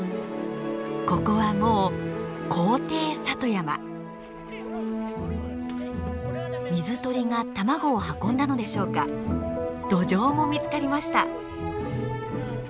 ここはもう水鳥が卵を運んだのでしょうかドジョウも見つかりました。